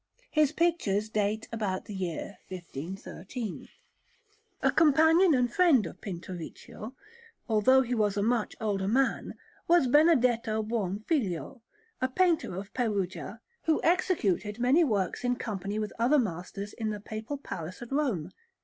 His pictures date about the year 1513. A companion and friend of Pinturicchio, although he was a much older man, was Benedetto Buonfiglio, a painter of Perugia, who executed many works in company with other masters in the Papal Palace at Rome.